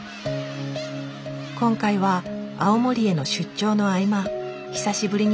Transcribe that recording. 今回は青森への出張の合間久しぶりに立ち寄ったんだって。